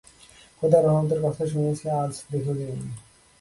খোদার রহমতের কথা শুনেছি আজ দেখেও নিলাম।